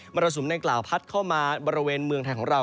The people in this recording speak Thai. รสุมดังกล่าวพัดเข้ามาบริเวณเมืองไทยของเรา